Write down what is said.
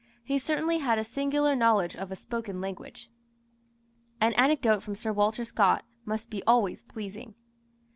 He certainly had a singular knowledge of spoken language." An anecdote from Sir Walter Scott must be always pleasing.